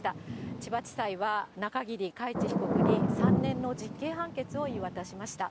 千葉地裁は、中桐海知被告に３年の実刑判決を言い渡しました。